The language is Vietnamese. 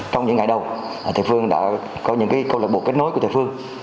trong những ngày đầu thầy phương đã có những cái câu lạc bộ kết nối của thầy phương